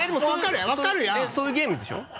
そういうゲームでしょ？